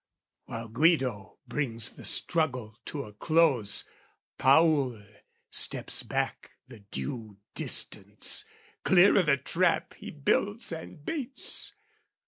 While Guido brings the struggle to a close, Paul steps back the due distance, clear o' the trap He builds and baits.